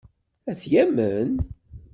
Ad t-yamen?